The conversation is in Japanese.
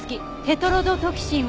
テトロドトキシン。